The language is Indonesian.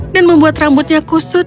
dan membuat rambutnya kusut